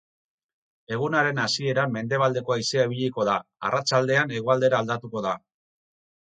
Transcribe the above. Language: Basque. Egunaren hasieran mendebaldeko haizea ibiliko da, arratsaldean hegoaldera aldatuko da.